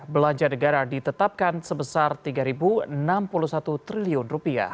belanja negara ditetapkan sebesar rp tiga enam puluh satu triliun